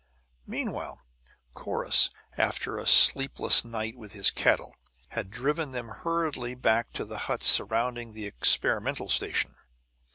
Meanwhile Corrus, after a sleepless night with his cattle, had driven them hurriedly back to the huts surrounding the "experimental station."